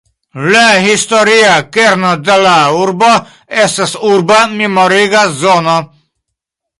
La historia kerno de la urbo estas urba memoriga zono.